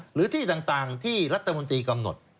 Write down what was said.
หรือที่ต่างที่รัฐมนตรีกำหนด